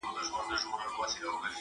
په هر کلي کي یې یو جومات آباد کړ!!